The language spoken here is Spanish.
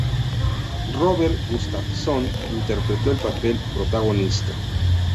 Robert Gustafsson interpretó el papel protagonista.